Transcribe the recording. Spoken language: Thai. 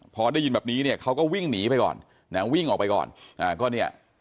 พอได้ยินแบบนี้เนี่ยเขาก็วิ่งหนีไปก่อนนะวิ่งออกไปก่อนอ่าก็เนี่ย